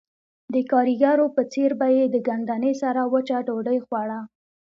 د ګاریګرو په څېر به یې د ګندنې سره وچه ډوډۍ خوړه